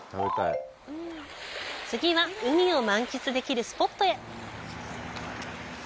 次は、海を満喫できるスポットへ！